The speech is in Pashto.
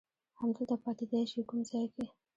همدلته پاتېدای شې، کوم ځای کې؟